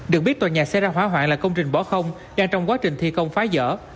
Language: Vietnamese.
được biết tòa nhà xe ra hỏa hoạn là công trình bỏ không đang trong quá trình thi công phá dỡ